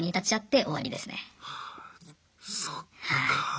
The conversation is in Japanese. そっかあ。